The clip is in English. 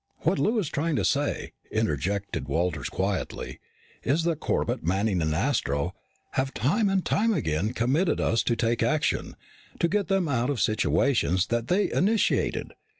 "What Lou is trying to say," interjected Walters quietly, "is that Corbett, Manning, and Astro have time and time again committed us to take action, to get them out of situations that they initiated.